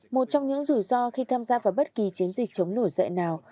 một trong những rủi ro khi tham gia vào bất kỳ chiến dịch chống nổi dậy nào